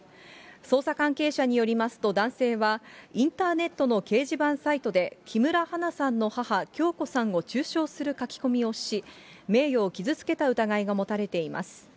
捜査関係者によりますと、男性は、インターネットの掲示板サイトで木村花さんの母、響子さんを中傷する書き込みをし、名誉を傷つけた疑いが持たれています。